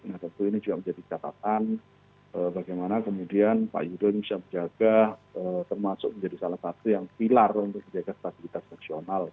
nah tentu ini juga menjadi catatan bagaimana kemudian pak yudho ini bisa menjaga termasuk menjadi salah satu yang pilar untuk menjaga stabilitas seksional